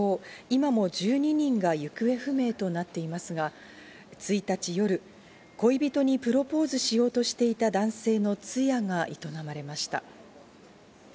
今も１２人が行方不明となっていますが、１日夜、恋人にプロポーズしようとしていた男性の通夜が営まれました。